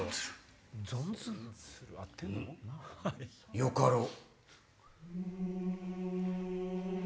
よかろう。